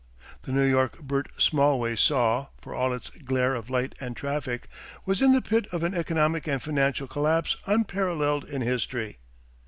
The New York Bert Smallways saw, for all its glare of light and traffic, was in the pit of an economic and financial collapse unparalleled in history.